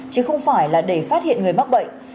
chứ không phải là để phát hiện người mắc bệnh